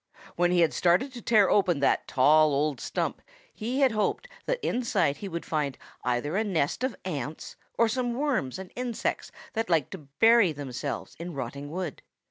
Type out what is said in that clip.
When he had started to tear open that tall old stump, he had hoped that inside he would find either a nest of ants, or some of the worms and insects that like to bury themselves in rotting wood.